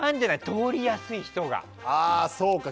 通りやすい人が。